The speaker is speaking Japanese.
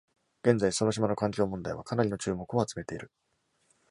現在、その島の環境問題はかなりの注目を集めている。